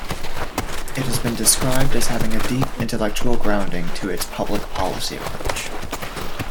It has been described as having a deep intellectual grounding to its public-policy approach.